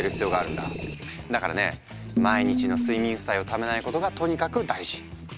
だからね毎日の睡眠負債をためないことがとにかく大事。